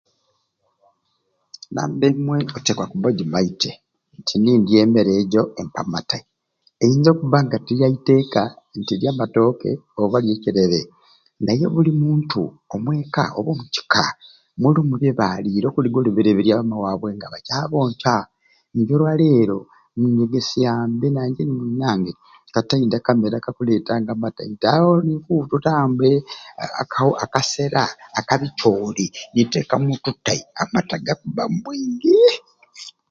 Namba emwei oteekwa kubba nga ogimaite nti nindya kubanga nindya emmere ejo empa amatai einza okubba nti lya matooke oba lyabekirebe nayebuli muntu omweka oba mu kika mulimu nga abanyina nje olwaleero nyegesya mbe munaye nta ate akamalere akakuleeta nga amatai nja awo ni nkuwuta mbe akasera akabicooli ni nteekamu otutai amatai gakkubba mu bwingi